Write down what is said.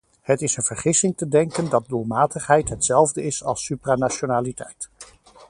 Het is een vergissing te denken dat doelmatigheid hetzelfde is als supranationaliteit.